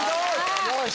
よし！